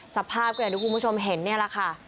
สภาพก็อย่างที่คุณผู้ชมเห็นนี่แหละค่ะ